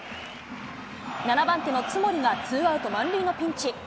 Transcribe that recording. ７番手の津森がツーアウト満塁のピンチ。